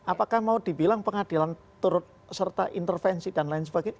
apakah mau dibilang pengadilan turut serta intervensi dan lain sebagainya